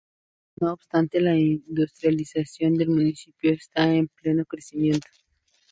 No obstante, la industrialización del municipio está en pleno crecimiento.